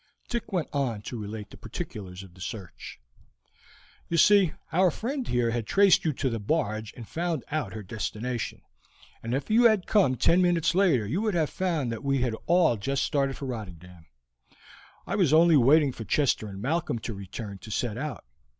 Dick went on to relate the particulars of the search. "You see, our friend here had traced you to the barge and found out her destination, and if you had come ten minutes later you would have found that we had all just started for Rotterdam. I was only waiting for Chester and Malcolm to return to set out.